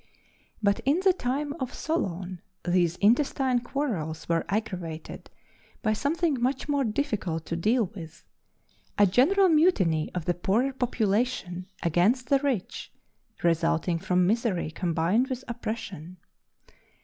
But in the time of Solon these intestine quarrels were aggravated by something much more difficult to deal with a general mutiny of the poorer population against the rich, resulting from misery combined with oppression.